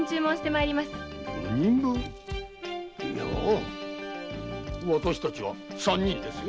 いや私達は三人ですよ。